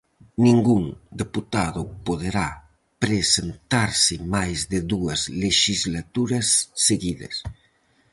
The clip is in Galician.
Ningún deputado poderá presentarse máis de dúas lexislaturas seguidas.